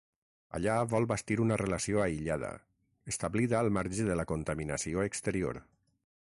Allà vol bastir una relació aïllada, establida al marge de la contaminació exterior.